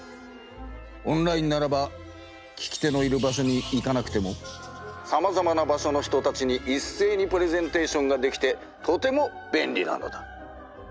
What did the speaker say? オンラインならば聞き手のいる場所に行かなくてもさまざまな場所の人たちにいっせいにプレゼンテーションができてとてもべんりなのだ。